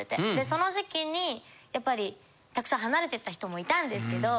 その時期にやっぱりたくさん離れていった人もいたんですけど。